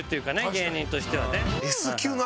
芸人としてはね。